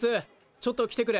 ちょっと来てくれ！